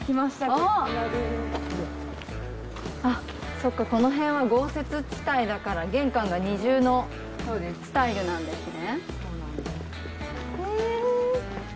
そうかこのへんは豪雪地帯だから玄関が二重のスタイルなんですね。